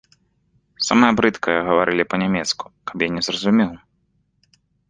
Самае брыдкае гаварылі па-нямецку, каб я не зразумеў.